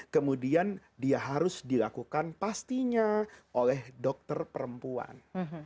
kemudian dia harus dilakukan pastinya oleh dokter perempuan